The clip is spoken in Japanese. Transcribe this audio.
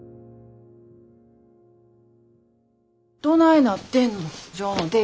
どないなってんの？